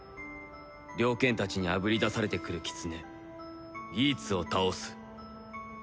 猟犬たちにあぶり出されてくるキツネギーツを倒す。